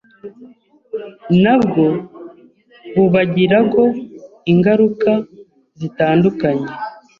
na bwo bubagirago ingaruka zitandukanye